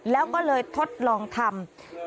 แล้วก็เลยทดลองทำ